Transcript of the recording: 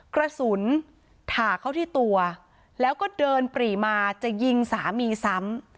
กระสุนถาเข้าที่ตัวแล้วก็เดินปรีมาจะยิงสามีซ้ำ